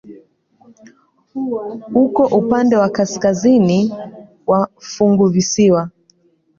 Uko upande wa kaskazini wa funguvisiwa.